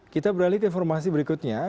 kita beralih ke informasi berikutnya